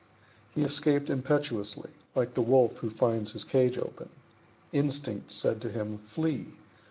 He escaped impetuously, like the wolf who finds his cage open. Instinct said to him, "Flee!"